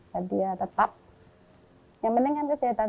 jadi tetap yang penting kan kesehatan